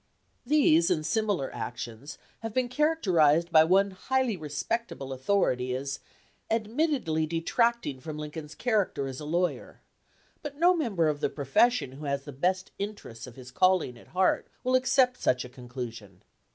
These and similar actions have been character ized by one highly respectable authority as "ad mittedly detracting from Lincoln's character as a lawyer," but no member of the profession who has the best interests of his calling at heart will 240 LEGAL ETHICS accept such a conclusion.